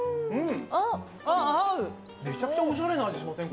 めちゃくちゃおしゃれな味しません？